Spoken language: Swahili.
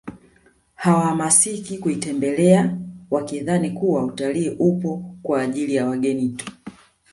Hawahamasiki kuitembelea wakidhani kuwa utalii upo kwa ajili ya wageni tu